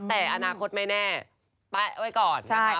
แต่อนาคตไม่แน่แป๊ะไว้ก่อนนะคะ